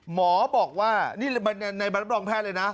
หมอบอกว่านี่ในใบรับรองแพทย์เลยนะ